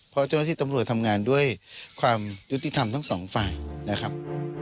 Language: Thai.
เพราะเจ้าหน้าที่ตำรวจทำงานด้วยความยุติธรรมทั้งสองฝ่ายนะครับ